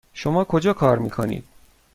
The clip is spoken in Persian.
شما کجا کار میکنید؟